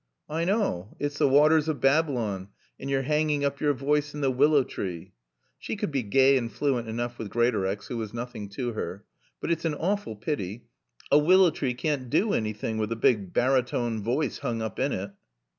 "I know. It's the waters of Babylon, and you're hanging up your voice in the willow tree." She could be gay and fluent enough with Greatorex, who was nothing to her. "But it's an awful pity. A willow tree can't do anything with a big barytone voice hung up in it."